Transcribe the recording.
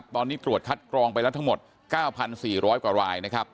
ตอนนี้ตรวจคัดกรองไปแล้วทั้งหมด๙๔๐๐กว่ารายนะครับ